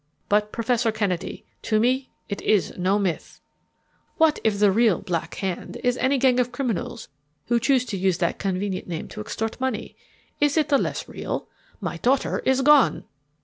But, Professor Kennedy, to me it is no myth. What if the real Black Hand is any gang of criminals who choose to use that convenient name to extort money? Is it the less real? My daughter is gone!"